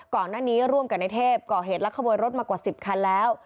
ก่อนหน้านี้ร่วมกับในเทพก่อเหตุลักขโมยรถมากว่า๑๐คันแล้ว